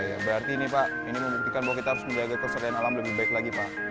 iya berarti ini pak ini membuktikan bahwa kita harus menjaga keserian alam lebih baik lagi pak